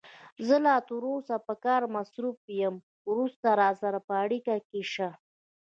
زه لا تر اوسه په کار مصروف یم، وروسته راسره په اړیکه کې شه.